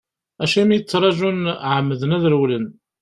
Acimi ttarǧun, ɛemmden ad rewlen.